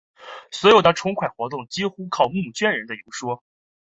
所有的筹款活动几乎全靠募款人的游说。